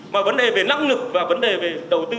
mà vấn đề về năng lực và vấn đề về đầu tư